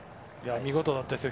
見事だったですよ